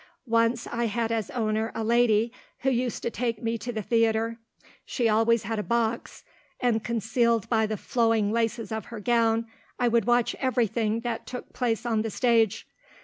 Once I had as owner a lady who used to take me to the theatre. She always had a box, and concealed by the flowing laces of her gown I would watch everything that took place on the stage.